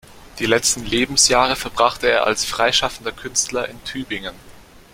Die letzten Lebensjahre verbrachte er als freischaffender Künstler in Tübingen.